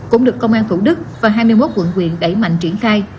cũng được công an thủ đức và hai mươi một quận quyện đẩy mạnh triển khai